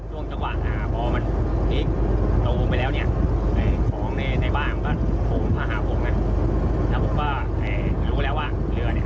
ช่วงตั้งความเปิดประตูค่ะทางออกก็มันเปิดประตู